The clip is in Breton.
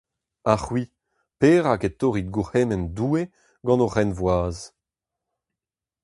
Ha c’hwi, perak e torrit gourc’hemenn Doue gant hoc’h Henvoaz ?